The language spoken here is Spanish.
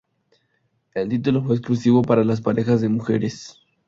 El título fue exclusivo para las parejas de mujeres.